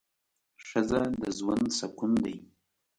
ښځه د ژوند سکون دی